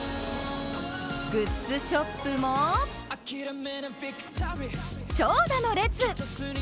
グッズショップも長蛇の列！